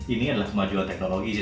ini adalah sebuah jual teknologi sih